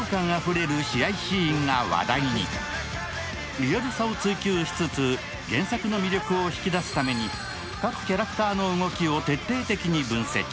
リアルさを追及しつつ原作の魅力を引き出すために、各キャラクターの動きを徹底的に分析。